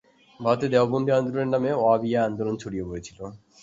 ভারতবর্ষে দেওবন্দী আন্দোলনের নামে ওয়াহাবি আন্দোলন ছড়িয়ে পড়েছিল।